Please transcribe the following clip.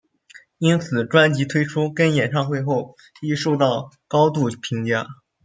因此专辑推出跟演唱会后亦受到高度评价。